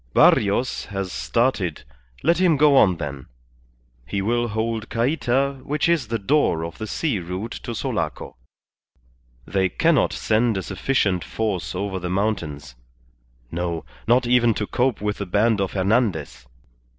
Barrios has started, let him go on then; he will hold Cayta, which is the door of the sea route to Sulaco. They cannot send a sufficient force over the mountains. No; not even to cope with the band of Hernandez.